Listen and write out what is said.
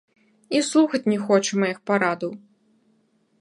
І слухаць не хоча маіх парадаў.